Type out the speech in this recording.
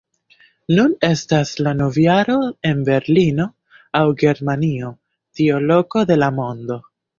Nun estas la novjaro en Berlino, aŭ Germanio, tiu loko de la mondo